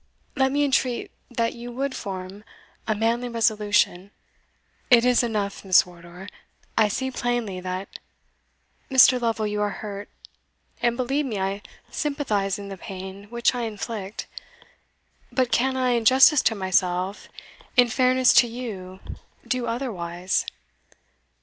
Let me entreat that you would form a manly resolution" "It is enough, Miss Wardour; I see plainly that" "Mr. Lovel, you are hurt and, believe me, I sympathize in the pain which I inflict; but can I, in justice to myself, in fairness to you, do otherwise?